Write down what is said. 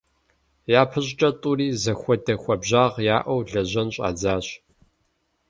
ЯпэщӀыкӀэ тӀури зэхуэдэ хуабжьагъ яӀэу лэжьэн щӀадзащ.